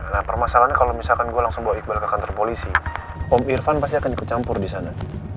nah permasalahannya kalau misalkan gue langsung bawa iqbal ke kantor polisi om irfan pasti akan ikut campur di sana